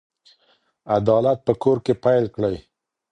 عدالت په کور کې پيل کړئ.